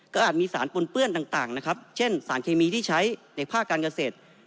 อาจมีสารปนเปื้อนต่างนะครับเช่นสารเคมีที่ใช้ในภาคการเกษตร